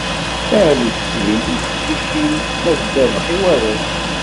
Tiɛleǧtin i teqcicin ma d ddabax i warrac.